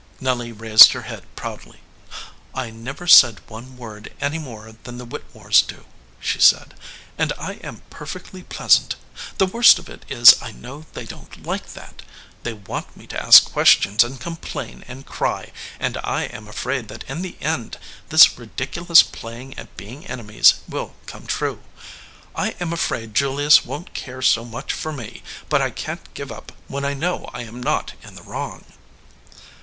Nelly raised her head proudly. "I never say one word any more than the Whittemores do/ she said. "And I am perfectly pleasant. The worst of it is I know they don t like that. They want me to ask questions and complain and cry, and I am afraid that in the end this ridiculous playing at being enemies will come true. I am afraid Julius won t care so much for me, but I can t give up when I know I am not in the wrong."